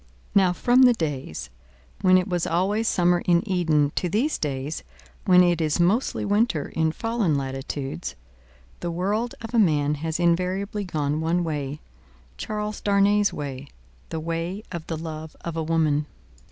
Now, from the days when it was always summer in Eden, to these days when it is mostly winter in fallen latitudes, the world of a man has invariably gone one way Charles Darnay's way the way of the love of a woman.